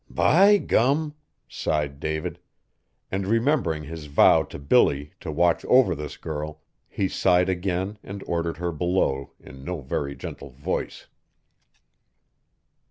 "By gum!" sighed David; and remembering his vow to Billy to watch over this girl, he sighed again and ordered her below in no very gentle voice.